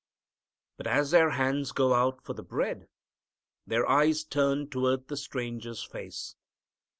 But as their hands go out for the bread, their eyes turn toward the Stranger's face.